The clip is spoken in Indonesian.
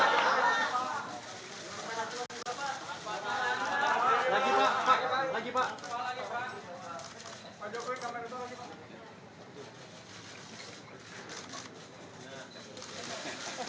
dari partai pkpi bapak dias indro priyono juga telah tanda tangan bersetelan sekjen